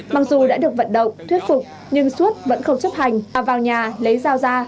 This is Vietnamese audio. mặc dù đã được vận động thuyết phục nhưng xuất vẫn không chấp hành vào nhà lấy dao ra